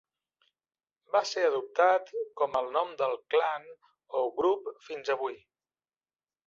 Va ser adoptat com el nom del clan o grup fins avui.